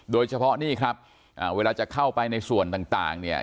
โดยเฉพาะนี่ครับเวลาจะเข้าไปในส่วนต่างเนี่ย